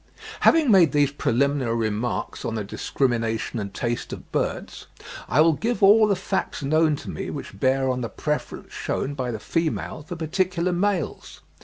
Having made these preliminary remarks on the discrimination and taste of birds, I will give all the facts known to me which bear on the preference shewn by the female for particular males.